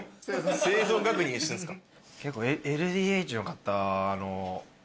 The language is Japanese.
生存確認してるんすか。